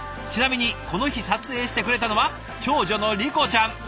ちなみにこの日撮影してくれたのは長女の理心ちゃん。